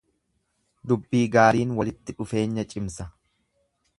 Dubbii gaariin walitti dhufeenya cimsa.